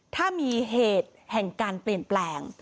ถ้ามีเหตุแห่งการเปลี่ยนแปลง